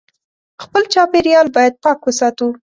خپل چاپېریال باید پاک وساتو